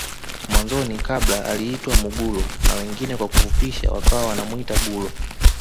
Mwanzoni kabla aliitwa Mugulo na wengine kwa kufupisha wakawa wanamuita gulo